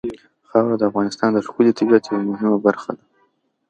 خاوره د افغانستان د ښکلي طبیعت یوه مهمه برخه ده.